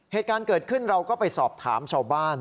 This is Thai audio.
เหตุการณ์เกิดขึ้นเราก็ไปสอบถามชาวบ้าน